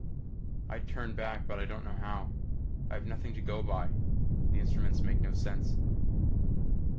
I'd turn back but I don't know how. I have nothing to go by. The instruments make no sense.